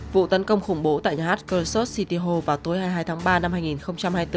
vụ tấn công khủng bố tại nhà hát kursus city hal vào tối hai mươi hai tháng ba năm hai nghìn hai mươi bốn